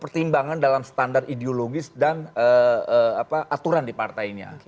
pertimbangan dalam standar ideologis dan aturan di partainya